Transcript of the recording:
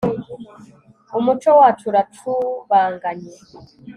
umuco wacu uracubanganye